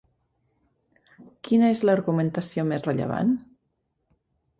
Quina és l'argumentació més rellevant?